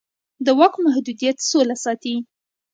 د واک محدودیت سوله ساتي